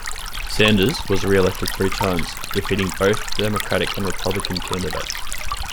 Sanders was reelected three times, defeating both Democratic and Republican candidates.